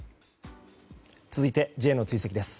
続いて、Ｊの追跡です。